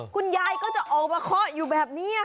คุณยายก็จะออกมาเคาะอยู่แบบนี้ค่ะ